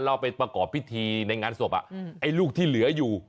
เอาไปประกอบพิธีในงานศพไอ้ลูกที่เหลืออยู่